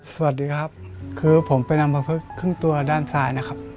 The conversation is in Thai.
สวัสดีครับคือผมไปนำประพฤกษครึ่งตัวด้านซ้ายนะครับ